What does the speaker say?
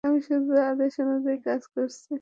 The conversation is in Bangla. আমি শুধু আদেশ অনুযায়ী কাজ করেছি।